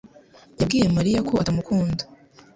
yabwiye Mariya ko atamukunda.